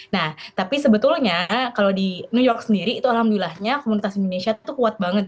nah tapi sebetulnya kalau di new york sendiri itu alhamdulillahnya komunitas indonesia tuh kuat banget